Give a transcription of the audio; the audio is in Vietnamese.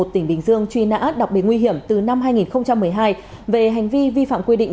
tỉnh bình dương truy nã đặc biệt nguy hiểm từ năm hai nghìn một mươi hai về hành vi vi phạm quy định